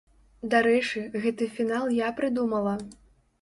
Дарэчы, гэты фінал я прыдумала!